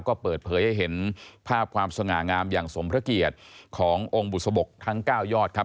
ก็เปิดเผยให้เห็นภาพความสง่างามอย่างสมพระเกียรติขององค์บุษบกทั้ง๙ยอดครับ